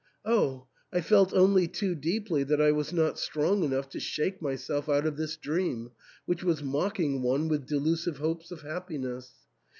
Oh ! I felt only too deeply that I was not strong enough to shake myself out of this dream, which was mocking one with delusive hopes of happiness.